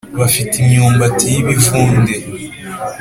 bafite imyumbati y’ibivunde